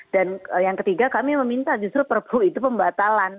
dan yang ketiga kami meminta justru prp itu pembatalan